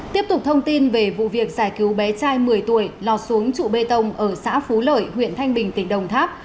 tiếp tục thông tin về vụ việc giải cứu bé trai một mươi tuổi lọt xuống trụ bê tông ở xã phú lợi huyện thanh bình tỉnh đồng tháp